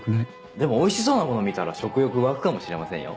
でもおいしそうなもの見たら食欲湧くかもしれませんよ。